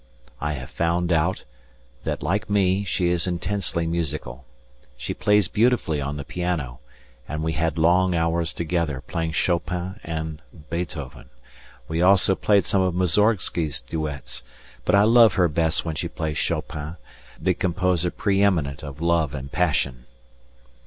I have found out that, like me, she is intensely musical. She plays beautifully on the piano, and we had long hours together playing Chopin and Beethoven; we also played some of Moussorgsky's duets, but I love her best when she plays Chopin, the composer pre eminent of love and passion.